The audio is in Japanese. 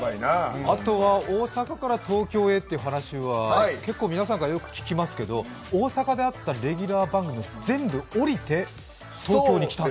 あとは大阪から東京へという話は結構皆さんから聞きますけど大阪であったレギュラー番組を全部おりて東京に来たの？